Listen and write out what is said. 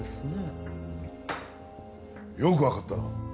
よくわかったな。